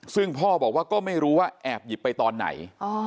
ซึ่งพ่อบอกว่าก็ไม่รู้ว่าแอบหยิบไปตอนไหน